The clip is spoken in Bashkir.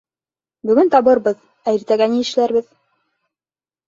Бөгөн табырбыҙ, ә иртәгә ни эшләрбеҙ?